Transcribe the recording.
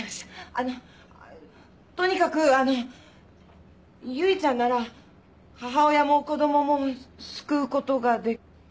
あのとにかくあの唯ちゃんなら母親も子供も救うことができ。